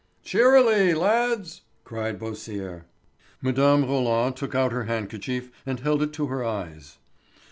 "Cheerily, lads!" cried Beausire. Mme. Roland took out her handkerchief and held it to her eyes.